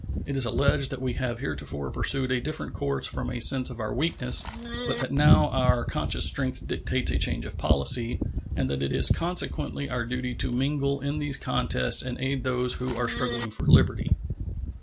It is alleged that we have heretofore pursued a different course from a sense of our weakness, but that now our conscious strength dictates a change of policy, and that it is consequently our duty to mingle in these contests and aid those who are struggling for liberty.